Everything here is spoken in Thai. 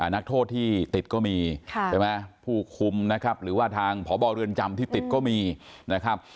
นักโทษที่ติดก็มีใช่ไหมผู้คุมนะครับหรือว่าทางพบเรือนจำที่ติดก็มีนะครับ